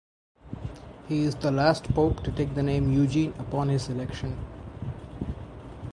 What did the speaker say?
He is the last pope to take the name "Eugene" upon his election.